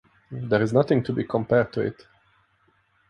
There is nothing to be compared to it.